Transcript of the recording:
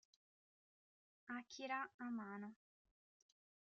Akira Amano